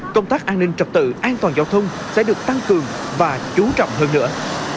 công tác an ninh trật tự an toàn giao thông sẽ được tăng cường và chú trọng hơn nữa